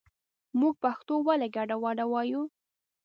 مونږ پښتو ولې ګډه وډه وايو